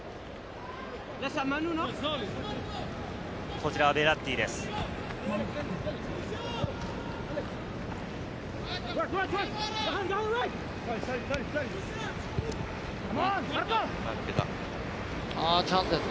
こちらはベッラッティです。